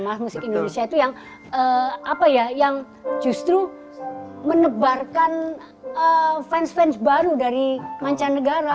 mas musik indonesia itu yang apa ya yang justru menebarkan fans fans baru dari mancanegara